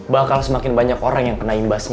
bakal semakin banyak orang yang kena imbasnya